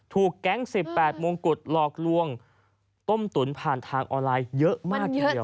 ถูกแก๊ง๑๘มงกุฎหลอกลวงต้มตุ๋นผ่านทางออนไลน์เยอะมากทีเดียว